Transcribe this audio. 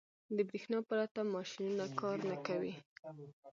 • د برېښنا پرته ماشينونه کار نه کوي.